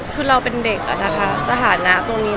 คือเราเป็นเด็กอะนะคะสถานะตรงนี้